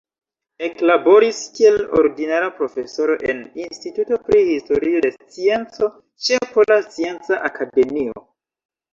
Eklaboris kiel ordinara profesoro en Instituto pri Historio de Scienco ĉe Pola Scienca Akademio.